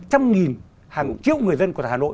trăm nghìn hàng triệu người dân của hà nội